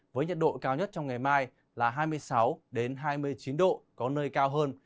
với nhiệt độ cao nhất trong ngày mai là hai mươi sáu hai mươi chín độ có nơi cao hơn